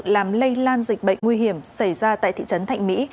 làm lây lan dịch bệnh nguy hiểm xảy ra tại thị trấn thạnh mỹ